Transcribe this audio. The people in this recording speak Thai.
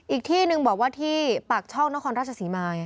อีกที่หนึ่งบอกว่าที่ปากช่องนครราชศรีมา